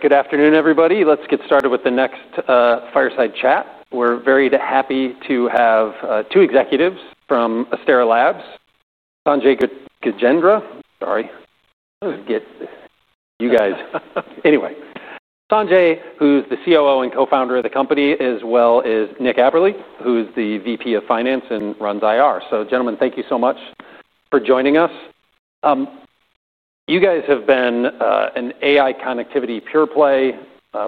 Good afternoon, everybody. Let's get started with the next fireside chat. We're very happy to have two executives from Astera Labs, Sanjay Gajendra, who's the COO and co-founder of the company, as well as Nick Aberle, who's the VP of Finance and runs IR. Gentlemen, thank you so much for joining us. You guys have been an AI connectivity pure play,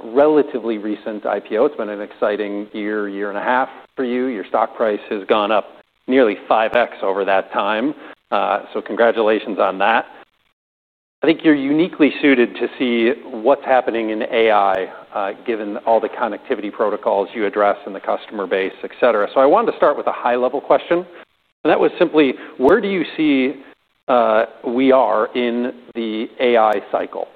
relatively recent IPO. It's been an exciting year, year and a half for you. Your stock price has gone up nearly 5x over that time. Congratulations on that. I think you're uniquely suited to see what's happening in AI, given all the connectivity protocols you address and the customer base, etc. I wanted to start with a high-level question, and that was simply, where do you see we are in the AI cycle?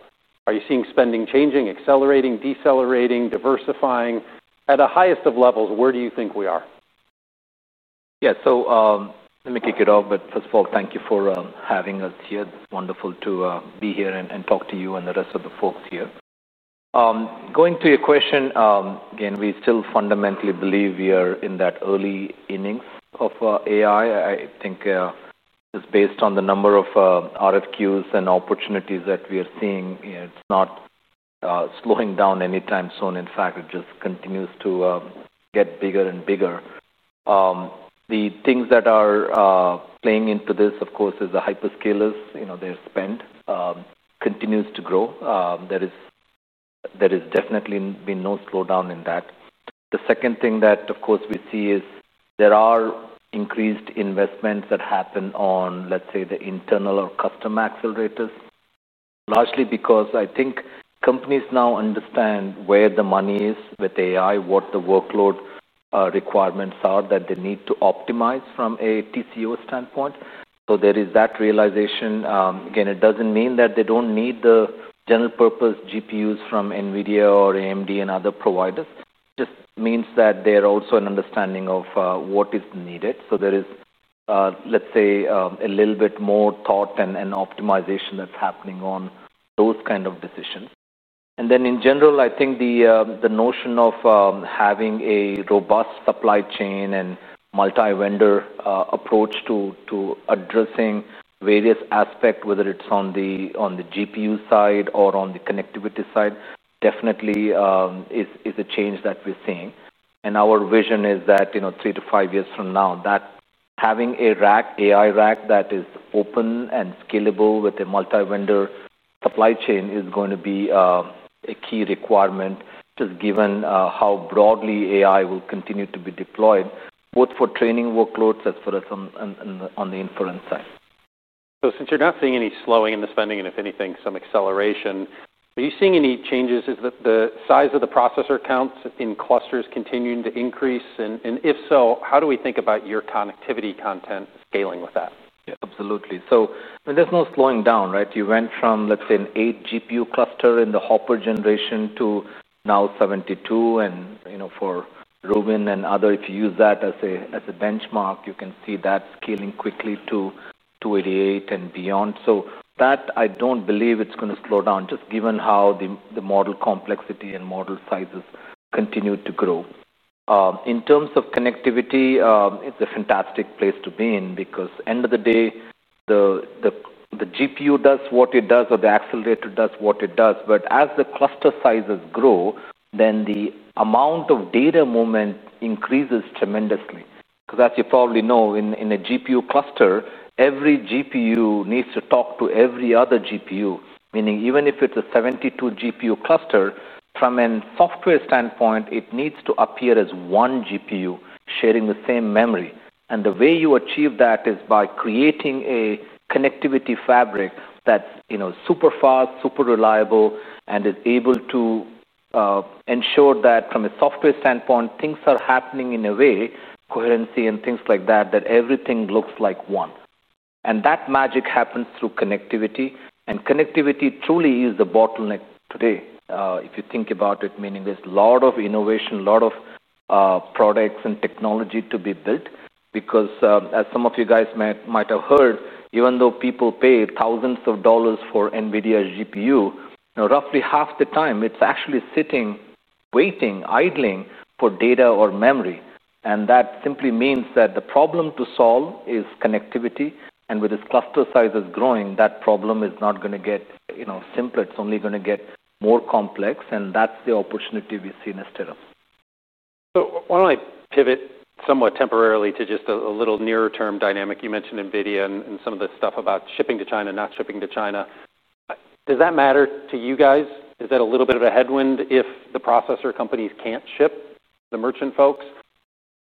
Are you seeing spending changing, accelerating, decelerating, diversifying? At the highest of levels, where do you think we are? Yeah, so let me kick it off. First of all, thank you for having us here. It's wonderful to be here and talk to you and the rest of the folks here. Going to your question again, we still fundamentally believe we are in that early innings of AI. I think it's based on the number of RFQs and opportunities that we are seeing. It's not slowing down anytime soon. In fact, it just continues to get bigger and bigger. The things that are playing into this, of course, is the hyperscalers. You know, their spend continues to grow. There has definitely been no slowdown in that. The second thing that, of course, we see is there are increased investments that happen on, let's say, the internal or custom accelerators, largely because I think companies now understand where the money is with AI, what the workload requirements are that they need to optimize from a TCO standpoint. There is that realization. It doesn't mean that they don't need the general purpose GPUs from NVIDIA or AMD and other providers. It just means that there's also an understanding of what is needed. There is, let's say, a little bit more thought and optimization that's happening on those kinds of decisions. In general, I think the notion of having a robust supply chain and multi-vendor approach to addressing various aspects, whether it's on the GPU side or on the connectivity side, definitely is a change that we're seeing. Our vision is that, you know, three to five years from now, having a rack, AI rack that is open and scalable with a multi-vendor supply chain is going to be a key requirement, just given how broadly AI will continue to be deployed, both for training workloads as well as on the inference side. You're not seeing any slowing in the spending, and if anything, some acceleration. Are you seeing any changes? Is the size of the processor counts in clusters continuing to increase? If so, how do we think about your connectivity content scaling with that? Absolutely. There's no slowing down, right? You went from, let's say, an 8 GPU cluster in the Hopper generation to now 72. For Rubin and others, if you use that as a benchmark, you can see that scaling quickly to 288 and beyond. I don't believe it's going to slow down, just given how the model complexity and model sizes continue to grow. In terms of connectivity, it's a fantastic place to be in because, end of the day, the GPU does what it does, or the accelerator does what it does. As the cluster sizes grow, the amount of data movement increases tremendously. As you probably know, in a GPU cluster, every GPU needs to talk to every other GPU. Even if it's a 72 GPU cluster, from a software standpoint, it needs to appear as one GPU sharing the same memory. The way you achieve that is by creating a connectivity fabric that's super fast, super reliable, and is able to ensure that, from a software standpoint, things are happening in a way, coherency and things like that, that everything looks like one. That magic happens through connectivity. Connectivity truly is a bottleneck today. If you think about it, there's a lot of innovation, a lot of products and technology to be built. As some of you guys might have heard, even though people pay thousands of dollars for NVIDIA GPU, roughly half the time it's actually sitting, waiting, idling for data or memory. That simply means that the problem to solve is connectivity. With these cluster sizes growing, that problem is not going to get simpler. It's only going to get more complex. That's the opportunity we see in Astera Labs. Why don't I pivot somewhat temporarily to just a little nearer term dynamic? You mentioned NVIDIA and some of the stuff about shipping to China, not shipping to China. Does that matter to you guys? Is that a little bit of a headwind if the processor companies can't ship the merchant folks?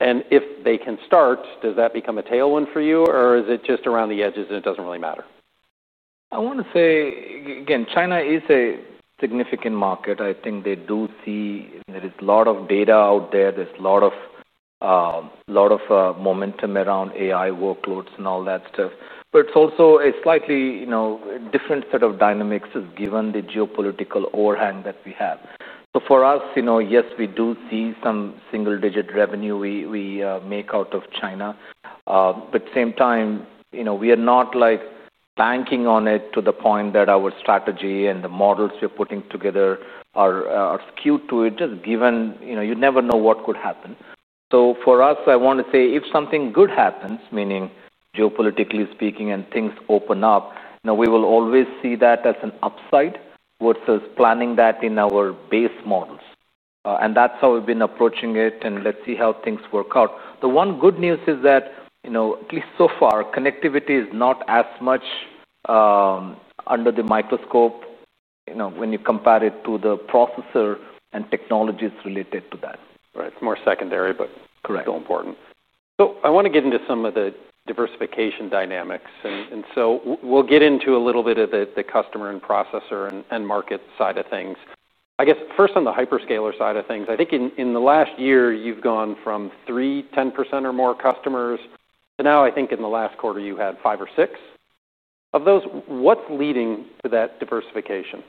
If they can start, does that become a tailwind for you, or is it just around the edges and it doesn't really matter? I want to say, again, China is a significant market. I think they do see there is a lot of data out there. There's a lot of momentum around AI workloads and all that stuff. It's also a slightly, you know, different set of dynamics given the geopolitical overhang that we have. For us, yes, we do see some single-digit revenue we make out of China. At the same time, we are not like banking on it to the point that our strategy and the models we're putting together are skewed to it, just given, you know, you never know what could happen. For us, I want to say if something good happens, meaning geopolitically speaking and things open up, we will always see that as an upside versus planning that in our base models. That's how we've been approaching it. Let's see how things work out. The one good news is that, you know, at least so far, connectivity is not as much under the microscope, you know, when you compare it to the processor and technologies related to that. Right. It's more secondary, but still important. I want to get into some of the diversification dynamics. We'll get into a little bit of the customer and processor and market side of things. I guess first on the hyperscaler side of things, I think in the last year you've gone from three 10%+ customers to now, I think in the last quarter you had five or six of those. What's leading to that diversification?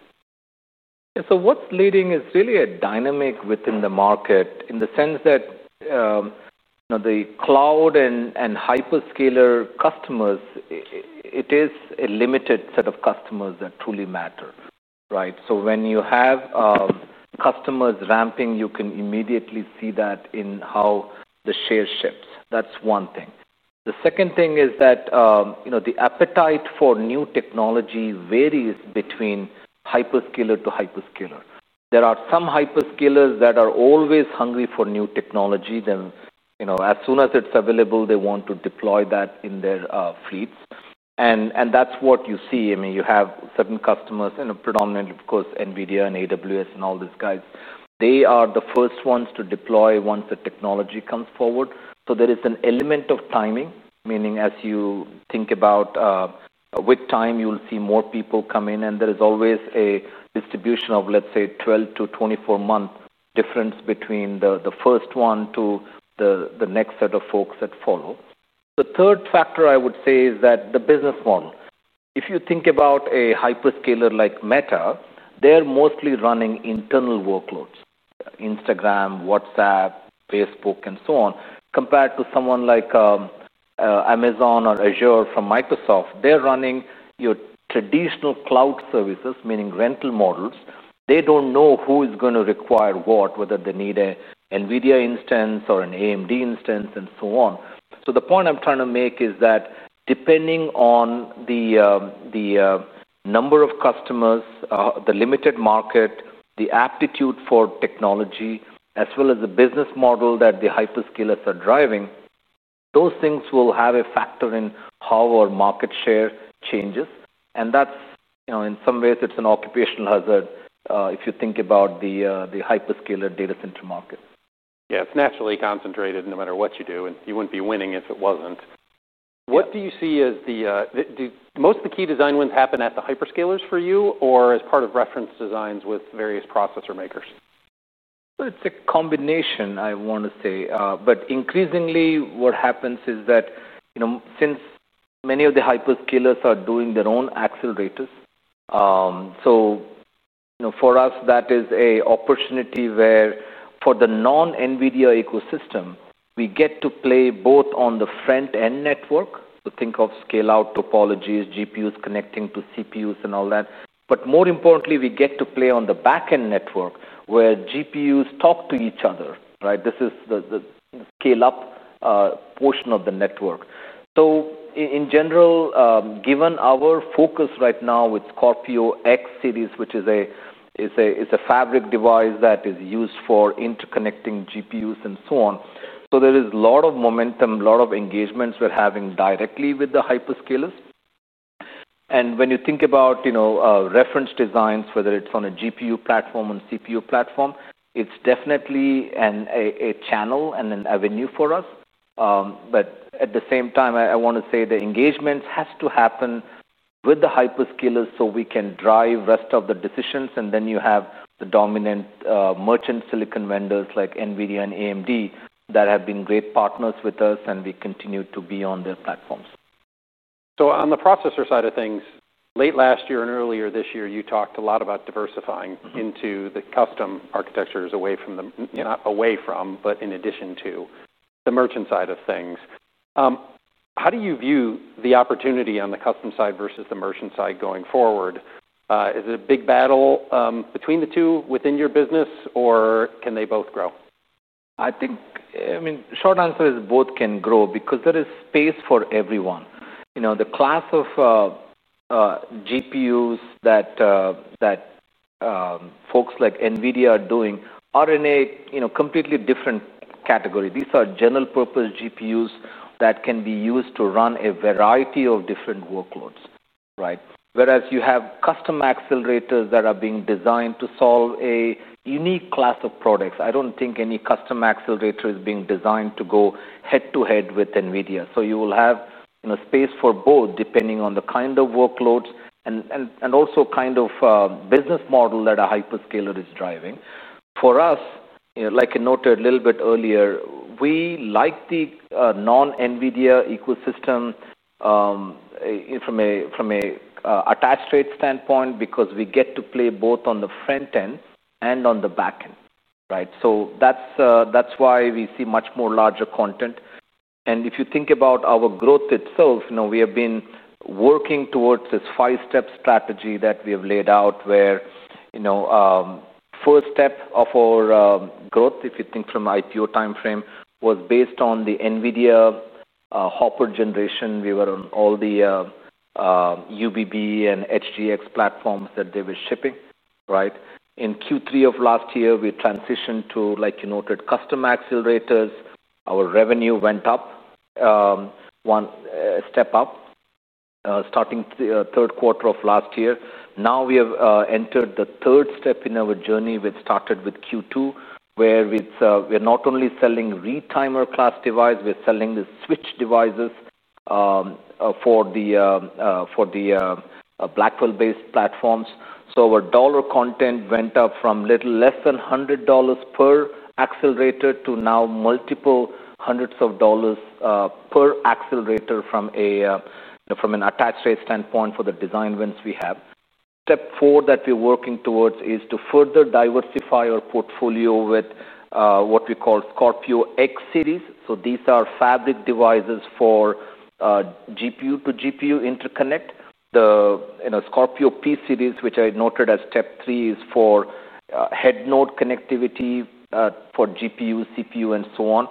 Yeah, so what's leading is really a dynamic within the market in the sense that, you know, the cloud and hyperscaler customers, it is a limited set of customers that truly matter, right? When you have customers ramping, you can immediately see that in how the share ships. That's one thing. The second thing is that the appetite for new technology varies between hyperscaler to hyperscaler. There are some hyperscalers that are always hungry for new technology. As soon as it's available, they want to deploy that in their fleets. That's what you see. You have certain customers, predominantly, of course, NVIDIA and AWS and all these guys, they are the first ones to deploy once the technology comes forward. There is an element of timing, meaning as you think about with time you'll see more people come in and there is always a distribution of, let's say, 12-24 months difference between the first one to the next set of folks that follow. The third factor I would say is the business model. If you think about a hyperscaler like Meta, they're mostly running internal workloads: Instagram, WhatsApp, Facebook, and so on. Compared to someone like Amazon or Azure from Microsoft, they're running your traditional cloud services, meaning rental models. They don't know who is going to require what, whether they need an NVIDIA instance or an AMD instance and so on. The point I'm trying to make is that depending on the number of customers, the limited market, the aptitude for technology, as well as the business model that the hyperscalers are driving, those things will have a factor in how our market share changes. In some ways it's an occupational hazard if you think about the hyperscaler data center market. Yeah, it's naturally concentrated no matter what you do, and you wouldn't be winning if it wasn't. What do you see as the most of the key design wins happen at the hyperscalers for you or as part of reference designs with various processor makers? It's a combination, I want to say. Increasingly what happens is that, you know, since many of the hyperscalers are doing their own accelerators, for us, that is an opportunity where for the non-NVIDIA ecosystem, we get to play both on the front-end network. Think of scale-out topologies, GPUs connecting to CPUs and all that. More importantly, we get to play on the back-end network where GPUs talk to each other, right? This is the scale-up portion of the network. In general, given our focus right now with Scorpio X-Series, which is a fabric device that is used for interconnecting GPUs and so on, there is a lot of momentum, a lot of engagements we're having directly with the hyperscalers. When you think about reference designs, whether it's on a GPU platform or CPU platform, it's definitely a channel and an avenue for us. At the same time, I want to say the engagements have to happen with the hyperscalers so we can drive the rest of the decisions. You have the dominant merchant silicon vendors like NVIDIA and AMD that have been great partners with us, and we continue to be on their platforms. On the processor side of things, late last year and earlier this year, you talked a lot about diversifying into the custom architectures away from, not away from, but in addition to the merchant side of things. How do you view the opportunity on the custom side versus the merchant side going forward? Is it a big battle between the two within your business, or can they both grow? I think the short answer is both can grow because there is space for everyone. The class of GPUs that folks like NVIDIA are doing are in a completely different category. These are general purpose GPUs that can be used to run a variety of different workloads, right? Whereas you have custom accelerators that are being designed to solve a unique class of products. I don't think any custom accelerator is being designed to go head-to-head with NVIDIA. You will have space for both depending on the kind of workloads and also the kind of business model that a hyperscaler is driving. For us, like I noted a little bit earlier, we like the non-NVIDIA ecosystem from an attached rate standpoint because we get to play both on the front end and on the back end, right? That's why we see much more larger content. If you think about our growth itself, we have been working towards this five-step strategy that we have laid out where the first step of our growth, if you think from the IPO timeframe, was based on the NVIDIA Hopper generation. We were on all the UBB and HGX platforms that they were shipping, right? In Q3 of last year, we transitioned to, like you noted, custom accelerators. Our revenue went up one step up starting the third quarter of last year. Now we have entered the third step in our journey. We've started with Q2, where we're not only selling retimer class devices, we're selling the switch devices for the Blackwell-based platforms. Our dollar content went up from a little less than $100 per accelerator to now multiple hundreds of dollars per accelerator from an attached rate standpoint for the design wins we have. Step four that we're working towards is to further diversify our portfolio with what we call Scorpio X-Series. These are fabric devices for GPU-to-GPU interconnect. The Scorpio P Series, which I noted as step three, is for head node connectivity for GPU, CPU, and so on.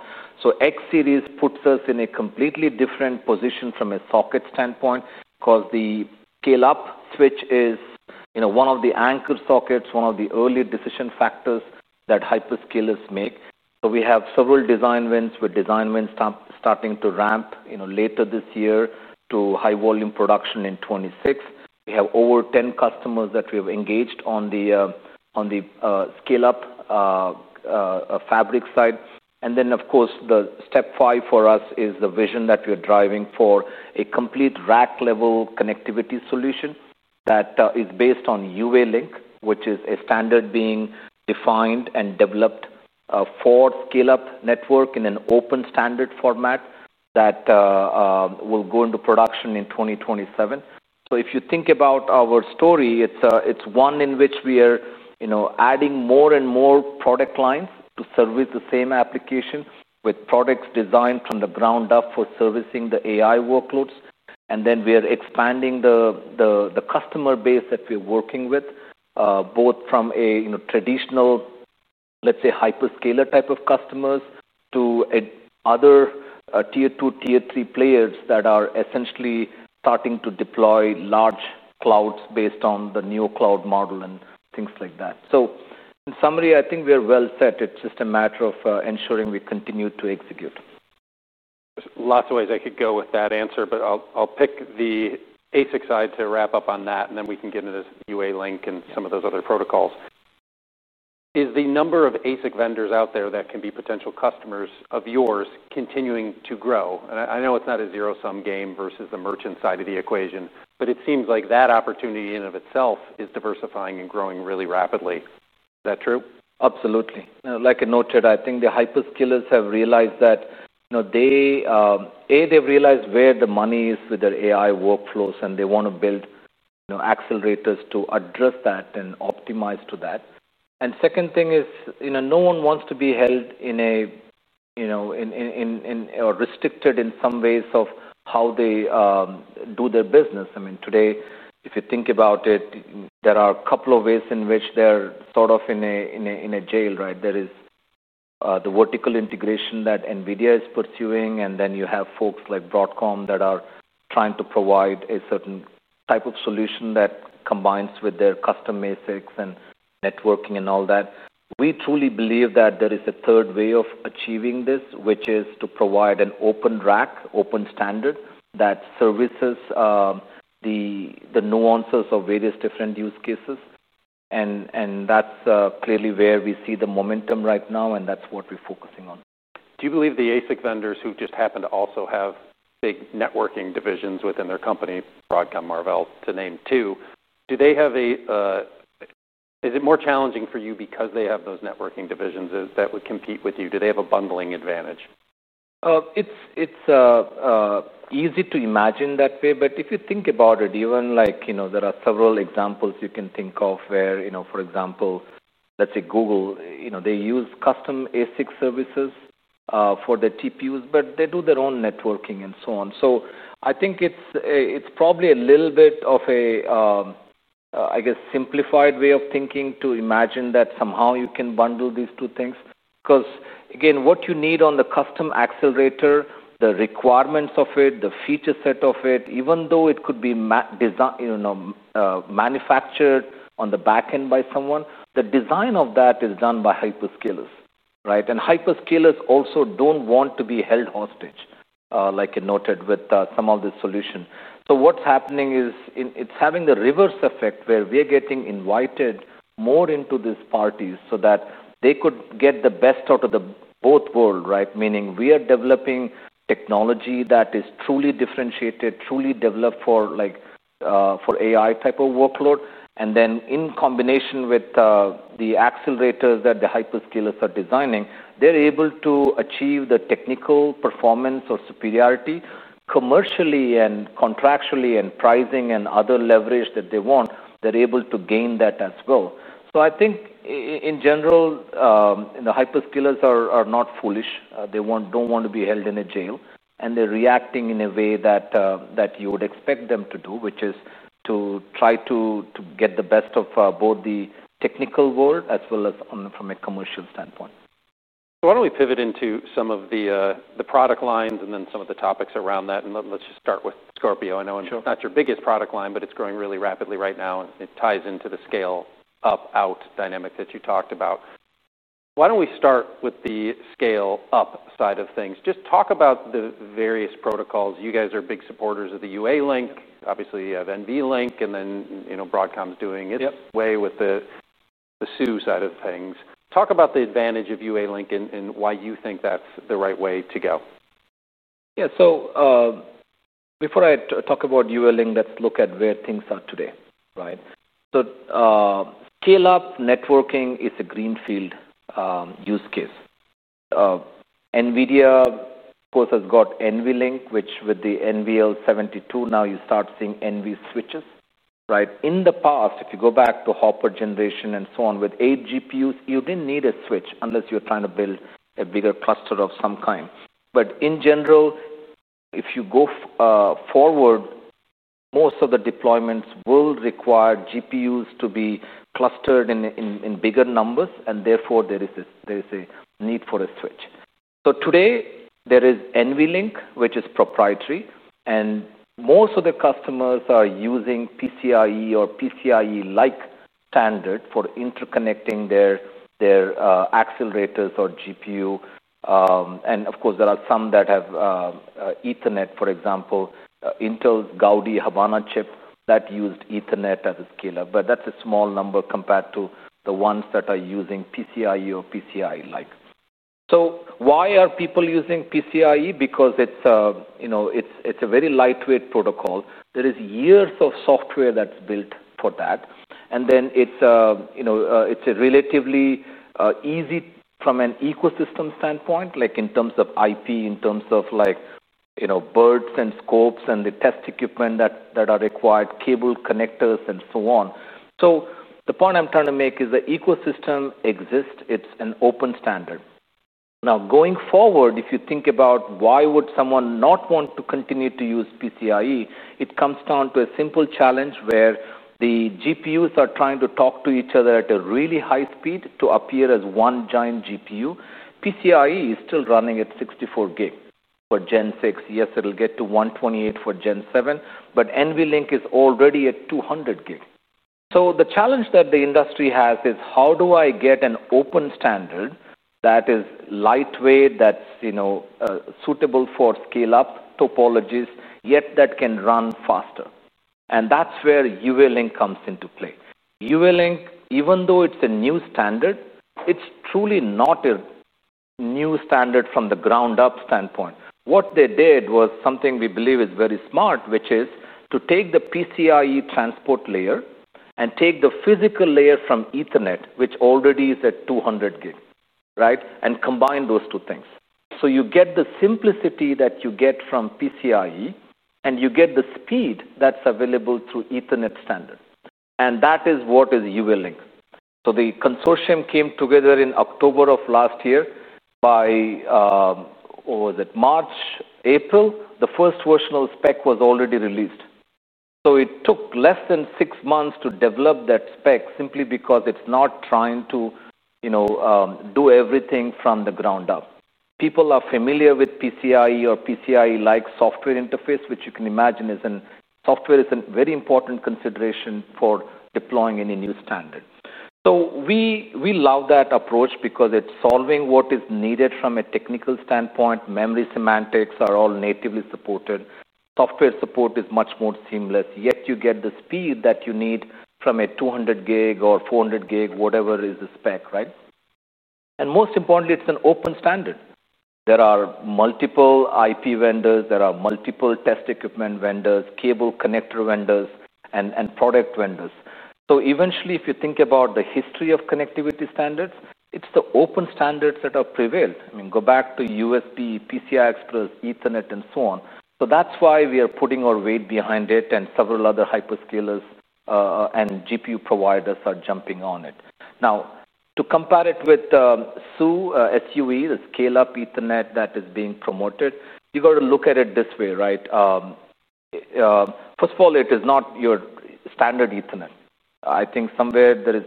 X-Series puts us in a completely different position from a socket standpoint because the scale-up switch is one of the anchor sockets, one of the early decision factors that hyperscalers make. We have several design wins with design wins starting to ramp later this year to high volume production in 2026. We have over 10 customers that we have engaged on the scale-up fabric side. Of course, the step five for us is the vision that we're driving for a complete rack-level connectivity solution that is based on UALink, which is a standard being defined and developed for scale-up network in an open standard format that will go into production in 2027. If you think about our story, it's one in which we are adding more and more product lines to service the same application with products designed from the ground up for servicing the AI workloads. We are expanding the customer base that we're working with, both from a traditional, let's say, hyperscaler type of customers to other tier two, tier three players that are essentially starting to deploy large clouds based on the new cloud model and things like that. In summary, I think we are well set. It's just a matter of ensuring we continue to execute. Lots of ways I could go with that answer, but I'll pick the ASIC side to wrap up on that, and then we can get into UALink and some of those other protocols. Is the number of ASIC vendors out there that can be potential customers of yours continuing to grow? I know it's not a zero-sum game versus the merchant side of the equation, but it seems like that opportunity in and of itself is diversifying and growing really rapidly. Is that true? Absolutely. Like I noted, I think the hyperscalers have realized that they've realized where the money is with their AI workflows, and they want to build, you know, accelerators to address that and optimize to that. The second thing is, no one wants to be held in a, you know, restricted in some ways of how they do their business. I mean, today, if you think about it, there are a couple of ways in which they're sort of in a jail, right? There is the vertical integration that NVIDIA is pursuing, and then you have folks like Broadcom that are trying to provide a certain type of solution that combines with their custom ASICs and networking and all that. We truly believe that there is a third way of achieving this, which is to provide an open rack, open standard that services the nuances of various different use cases. That's clearly where we see the momentum right now, and that's what we're focusing on. Do you believe the ASIC vendors who just happen to also have big networking divisions within their company, Broadcom, Marvell, to name two, do they have a, is it more challenging for you because they have those networking divisions that would compete with you? Do they have a bundling advantage? It's easy to imagine that way, but if you think about it, even like, you know, there are several examples you can think of where, for example, let's say Google, you know, they use custom ASIC services for the TPUs, but they do their own networking and so on. I think it's probably a little bit of a, I guess, simplified way of thinking to imagine that somehow you can bundle these two things. Because again, what you need on the custom accelerator, the requirements of it, the feature set of it, even though it could be designed, you know, manufactured on the back end by someone, the design of that is done by hyperscalers, right? Hyperscalers also don't want to be held hostage, like you noted with some of the solutions. What's happening is it's having the reverse effect where we're getting invited more into these parties so that they could get the best out of both worlds, right? Meaning we are developing technology that is truly differentiated, truly developed for like for AI type of workload. Then in combination with the accelerators that the hyperscalers are designing, they're able to achieve the technical performance or superiority commercially and contractually and pricing and other leverage that they want. They're able to gain that as well. I think in general, the hyperscalers are not foolish. They don't want to be held in a jail. They're reacting in a way that you would expect them to do, which is to try to get the best of both the technical world as well as from a commercial standpoint. Why don't we pivot into some of the product lines and then some of the topics around that? Let's just start with Scorpio. I know it's not your biggest product line, but it's growing really rapidly right now, and it ties into the scale-up, out dynamic that you talked about. Why don't we start with the scale-up side of things? Just talk about the various protocols. You guys are big supporters of the UALink. Obviously, you have NVLink and then, you know, Broadcom's doing its way with the SUE side of things. Talk about the advantage of UALink and why you think that's the right way to go. Yeah, so before I talk about UALink, let's look at where things are today, right? Scale-up networking is a greenfield use case. NVIDIA, of course, has got NVLink, which with the NVL72 now you start seeing NV switches, right? In the past, if you go back to Hopper generation and so on, with eight GPUs, you didn't need a switch unless you're trying to build a bigger cluster of some kind. In general, if you go forward, most of the deployments will require GPUs to be clustered in bigger numbers, and therefore there is a need for a switch. Today there is NVLink, which is proprietary, and most of the customers are using PCIe or PCIe-like standard for interconnecting their accelerators or GPU. There are some that have Ethernet, for example, Intel's Gaudi Habana chip that used Ethernet as a scale-up, but that's a small number compared to the ones that are using PCIe or PCIe-like. Why are people using PCIe? Because it's a very lightweight protocol. There are years of software that's built for that. It's relatively easy from an ecosystem standpoint, like in terms of IP, in terms of, you know, birds and scopes and the test equipment that are required, cable connectors and so on. The point I'm trying to make is the ecosystem exists. It's an open standard. Now going forward, if you think about why would someone not want to continue to use PCIe, it comes down to a simple challenge where the GPUs are trying to talk to each other at a really high speed to appear as one giant GPU. PCIe is still running at 64 gig for Gen 6. Yes, it'll get to 128 gig for Gen 7, but NVLink is already at 200 gig. The challenge that the industry has is how do I get an open standard that is lightweight, that's, you know, suitable for scale-up topologies, yet that can run faster. That is where UALink comes into play. UALink, even though it's a new standard, it's truly not a new standard from the ground-up standpoint. What they did was something we believe is very smart, which is to take the PCIe transport layer and take the physical layer from Ethernet, which already is at 200 gig, right, and combine those two things. You get the simplicity that you get from PCIe and you get the speed that's available through Ethernet standard. That is what is UALink. The consortium came together in October of last year. By, was it March, April? The first version of the spec was already released. It took less than six months to develop that spec simply because it's not trying to do everything from the ground up. People are familiar with PCIe or PCIe-like software interface, which you can imagine is a very important consideration for deploying any new standards. We love that approach because it's solving what is needed from a technical standpoint. Memory semantics are all natively supported. Software support is much more seamless, yet you get the speed that you need from a 200 gig or 400 gig, whatever is the spec, right? Most importantly, it's an open standard. There are multiple IP vendors, there are multiple test equipment vendors, cable connector vendors, and product vendors. Eventually, if you think about the history of connectivity standards, it's the open standards that have prevailed. Go back to USB, PCI Express, Ethernet, and so on. That's why we are putting our weight behind it and several other hyperscalers and GPU providers are jumping on it. Now, to compare it with SUE, the scale-up Ethernet that is being promoted, you've got to look at it this way, right? First of all, it is not your standard Ethernet. I think somewhere there is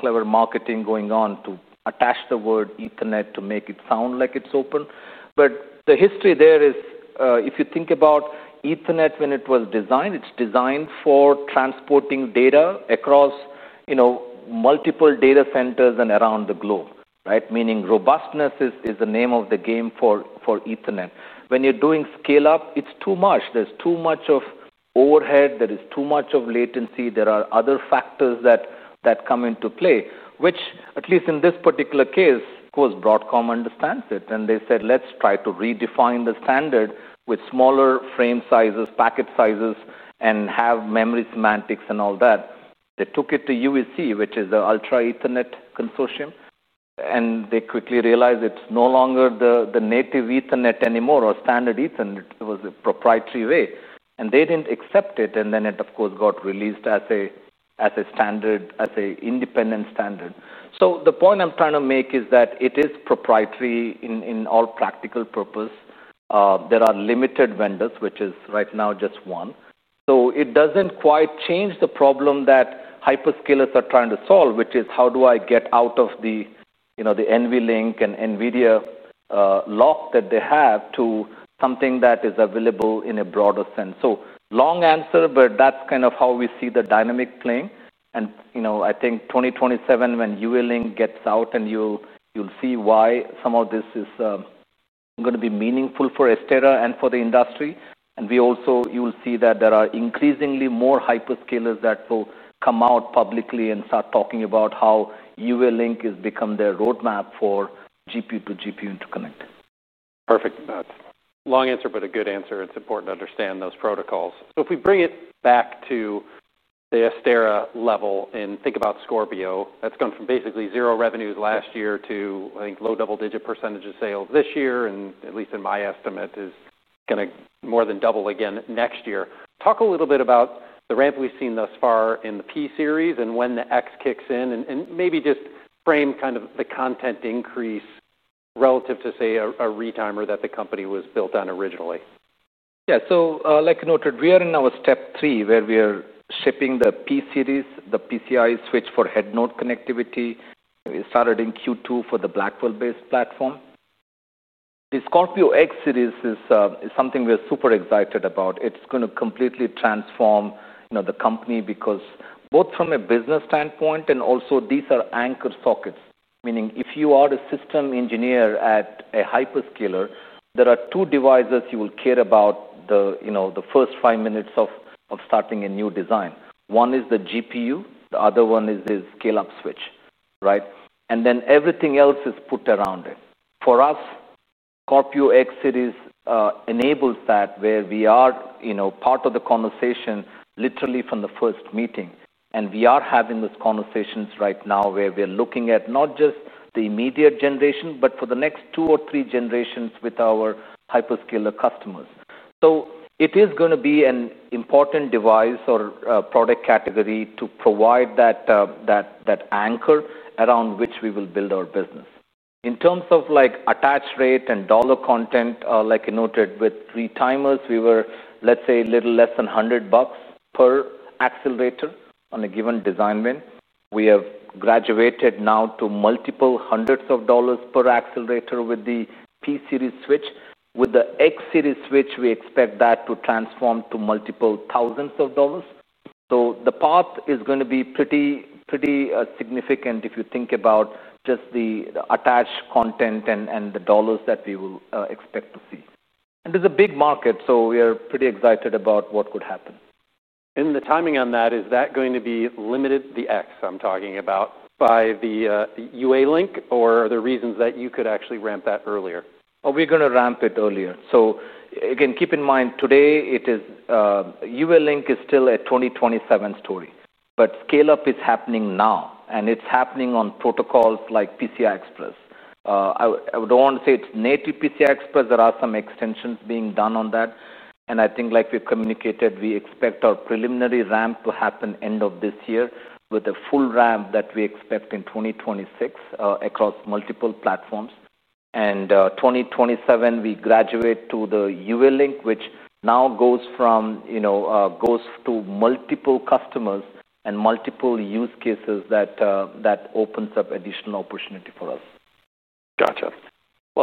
clever marketing going on to attach the word Ethernet to make it sound like it's open. The history there is, if you think about Ethernet, when it was designed, it's designed for transporting data across multiple data centers and around the globe, right? Robustness is the name of the game for Ethernet. When you're doing scale-up, it's too much. There's too much overhead, there is too much latency, there are other factors that come into play, which at least in this particular case, of course, Broadcom understands it. They said, let's try to redefine the standard with smaller frame sizes, packet sizes, and have memory semantics and all that. They took it to USC, which is the Ultra Ethernet Consortium, and they quickly realized it's no longer the native Ethernet anymore or standard Ethernet. It was a proprietary way. They didn't accept it. Then it, of course, got released as a standard, as an independent standard. The point I'm trying to make is that it is proprietary in all practical purpose. There are limited vendors, which is right now just one. It doesn't quite change the problem that hyperscalers are trying to solve, which is how do I get out of the, you know, the NVLink and NVIDIA lock that they have to something that is available in a broader sense. Long answer, but that's kind of how we see the dynamic playing. I think 2027, when UALink gets out, you'll see why some of this is going to be meaningful for Astera and for the industry. You will see that there are increasingly more hyperscalers that will come out publicly and start talking about how UALink has become their roadmap for GPU-to-GPU interconnect. Perfect. Long answer, but a good answer. It's important to understand those protocols. If we bring it back to the Astera level and think about Scorpio, that's gone from basically zero revenues last year to, I think, low double-digit percentage of sales this year. At least in my estimate, it's going to more than double again next year. Talk a little bit about the ramp we've seen thus far in the P-Series and when the X kicks in and maybe just frame kind of the content increase relative to, say, a retimer that the company was built on originally. Yeah, like I noted, we are in our step three where we are shipping the P-Series, the PCI switch for head node connectivity. We started in Q2 for the Blackwell-based platform. The Scorpio X-Series is something we're super excited about. It's going to completely transform the company because both from a business standpoint and also these are anchor sockets. Meaning if you are a system engineer at a hyperscaler, there are two devices you will care about the first five minutes of starting a new design. One is the GPU, the other one is the scale-up switch, right? Everything else is put around it. For us, Scorpio X-Series enables that where we are part of the conversation literally from the first meeting. We are having those conversations right now where we're looking at not just the immediate generation, but for the next two or three generations with our hyperscaler customers. It is going to be an important device or product category to provide that anchor around which we will build our business. In terms of attached rate and dollar content, like you noted, with Aries retimers, we were, let's say, a little less than $100 per accelerator on a given design win. We have graduated now to multiple hundreds of dollars per accelerator with the P-Series switch. With the X-Series switch, we expect that to transform to multiple thousands of dollars. The path is going to be pretty, pretty significant if you think about just the attached content and the dollars that we will expect to see. It's a big market, so we are pretty excited about what could happen. Is the timing on that going to be limited, the X I'm talking about, by the UALink, or are there reasons that you could actually ramp that earlier? Are we going to ramp it earlier? Keep in mind today UALink is still a 2027 story, but scale-up is happening now, and it's happening on protocols like PCI Express. I don't want to say it's native PCI Express. There are some extensions being done on that. Like we've communicated, we expect our preliminary ramp to happen end of this year with a full ramp that we expect in 2026 across multiple platforms. In 2027, we graduate to UALink, which now goes to multiple customers and multiple use cases. That opens up additional opportunity for us. Gotcha.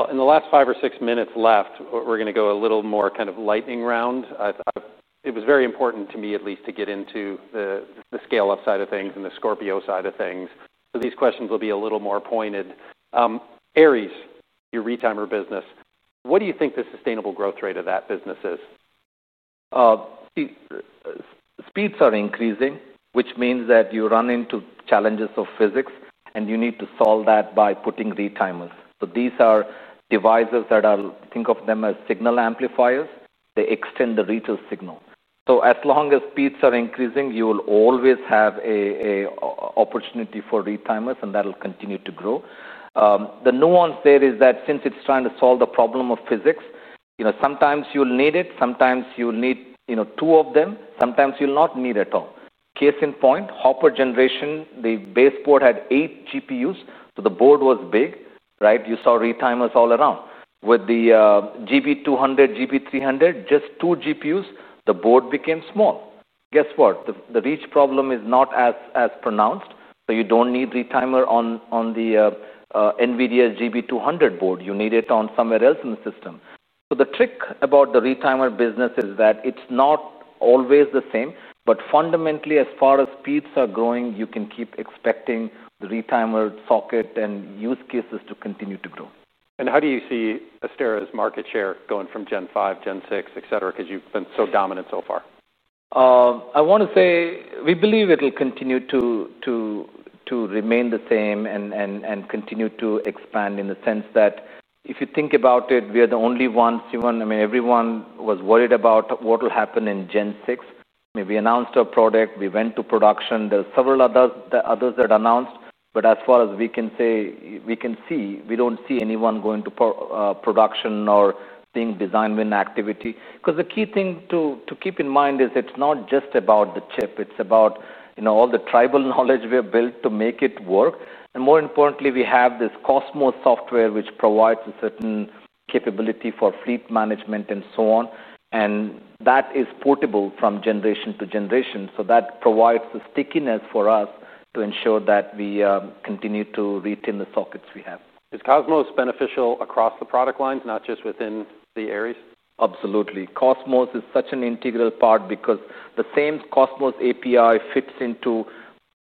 In the last five or six minutes left, we're going to go a little more kind of lightning round. It was very important to me, at least, to get into the scale-up side of things and the Scorpio side of things. These questions will be a little more pointed. Aries, your retimer business, what do you think the sustainable growth rate of that business is? Speeds are increasing, which means that you run into challenges of physics, and you need to solve that by putting retimers. These are devices that are, think of them as signal amplifiers. They extend the reach of signal. As long as speeds are increasing, you will always have an opportunity for retimers, and that'll continue to grow. The nuance there is that since it's trying to solve the problem of physics, sometimes you'll need it. Sometimes you'll need, you know, two of them. Sometimes you'll not need at all. Case in point, Hopper generation, the baseboard had eight GPUs, so the board was big, right? You saw retimers all around. With the GB200, GB300, just two GPUs, the board became small. Guess what? The reach problem is not as pronounced, so you don't need retimer on NVIDIA's GB200 board. You need it on somewhere else in the system. The trick about the retimer business is that it's not always the same, but fundamentally, as far as speeds are growing, you can keep expecting the retimer socket and use cases to continue to grow. How do you see Astera Labs' market share going from Gen 5, Gen 6, etc., because you've been so dominant so far? We believe it'll continue to remain the same and continue to expand in the sense that if you think about it, we are the only ones, you know, everyone was worried about what will happen in Gen 6. We announced our product, we went to production, there are several others that announced, but as far as we can see, we don't see anyone going to production or being designed with an activity. The key thing to keep in mind is it's not just about the chip, it's about all the tribal knowledge we have built to make it work. More importantly, we have this COSMOS software, which provides a certain capability for fleet management and so on. That is portable from generation to generation. That provides a stickiness for us to ensure that we continue to retain the sockets we have. Is COSMOS beneficial across the product lines, not just within the Aries? Absolutely. COSMOS is such an integral part because the same COSMOS API fits into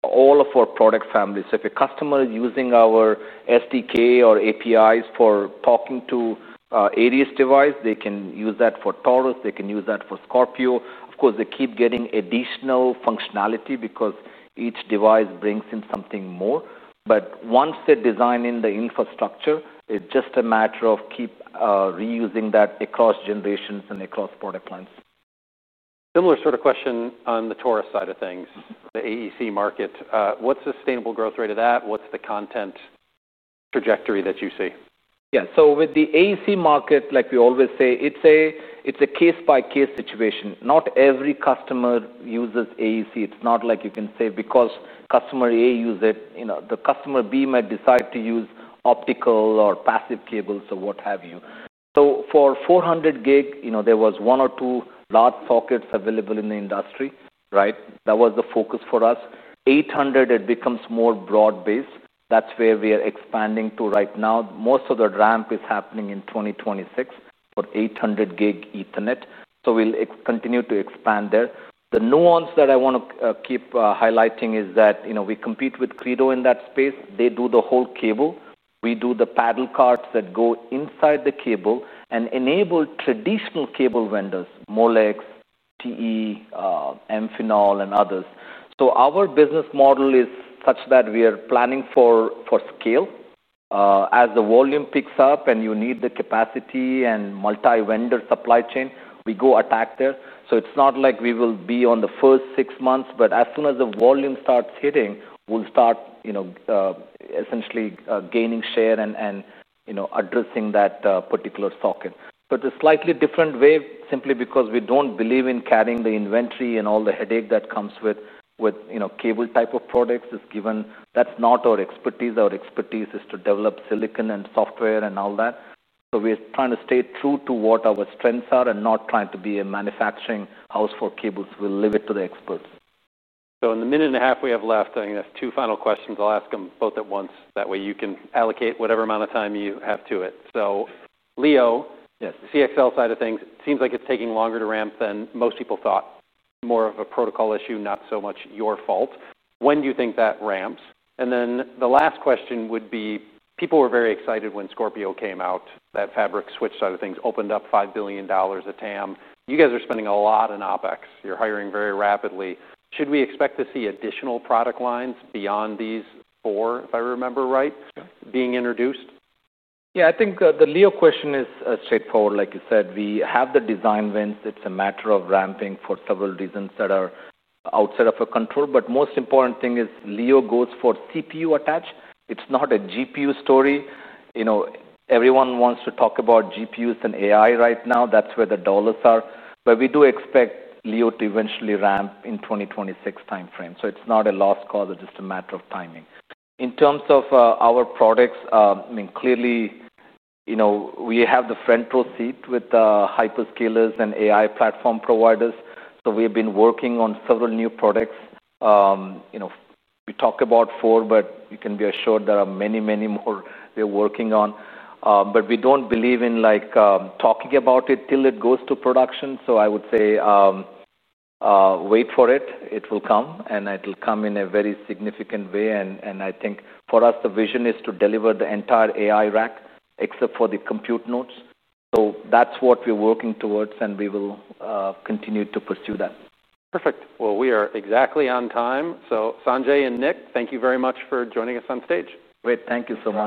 all of our product families. If a customer is using our SDK or APIs for talking to Aries retimers, they can use that for Taurus, they can use that for Scorpio. Of course, they keep getting additional functionality because each device brings in something more. Once they design in the infrastructure, it's just a matter of keep reusing that across generations and across product lines. Similar sort of question on the Taurus side of things, the AEC market. What's the sustainable growth rate of that? What's the content trajectory that you see? Yeah, so with the AEC market, like we always say, it's a case-by-case situation. Not every customer uses AEC. It's not like you can say because customer A used it, the customer B might decide to use optical or passive cables or what have you. For 400 gig, there were one or two large sockets available in the industry, right? That was the focus for us. 800 gig, it becomes more broad-based. That's where we are expanding to right now. Most of the ramp is happening in 2026 for 800 gig Ethernet. We'll continue to expand there. The nuance that I want to keep highlighting is that we compete with Credo in that space. They do the whole cable. We do the paddle cards that go inside the cable and enable traditional cable vendors, Molex, TE, Amphenol, and others. Our business model is such that we are planning for scale. As the volume picks up and you need the capacity and multi-vendor supply chain, we go attack there. It's not like we will be on the first six months, but as soon as the volume starts hitting, we'll start essentially gaining share and addressing that particular socket. It's a slightly different way simply because we don't believe in carrying the inventory and all the headache that comes with cable type of products. That's not our expertise. Our expertise is to develop silicon and software and all that. We're trying to stay true to what our strengths are and not trying to be a manufacturing house for cables. We'll leave it to the experts. In the minute and a half we have left, I think that's two final questions. I'll ask them both at once. That way you can allocate whatever amount of time you have to it. Leo, yes, the CXL side of things, it seems like it's taking longer to ramp than most people thought. More of a protocol issue, not so much your fault. When do you think that ramps? The last question would be, people were very excited when Scorpio came out, that fabric switch side of things, opened up $5 billion a TAM. You guys are spending a lot on OpEx. You're hiring very rapidly. Should we expect to see additional product lines beyond these four, if I remember right, being introduced? Yeah, I think the Leo question is straightforward. Like you said, we have the design wins. It's a matter of ramping for several reasons that are outside of our control. The most important thing is Leo goes for CPU attach. It's not a GPU story. You know, everyone wants to talk about GPUs and AI right now. That's where the dollars are. We do expect Leo to eventually ramp in the 2026 timeframe. It's not a lost cause. It's just a matter of timing. In terms of our products, clearly, you know, we have the front row seat with hyperscalers and AI platform providers. We've been working on several new products. We talk about four, but you can be assured there are many, many more we're working on. We don't believe in talking about it till it goes to production. I would say wait for it. It will come, and it'll come in a very significant way. I think for us, the vision is to deliver the entire AI rack except for the compute nodes. That's what we're working towards, and we will continue to pursue that. Perfect. We are exactly on time. Sanjay and Nick, thank you very much for joining us on stage. Great. Thank you so much.